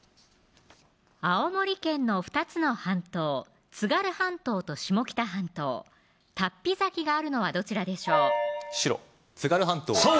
青森県の２つの半島津軽半島と下北半島龍飛崎があるのはどちらでしょう白津軽半島そう